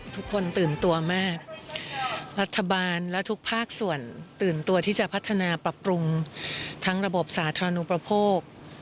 ทุกคนตื่นตัวมากรัฐบาลและทุกภาคส่วนตื่นตัวที่จะพัฒนาปรับปรุงทั้งระบบสาธารณูประโภค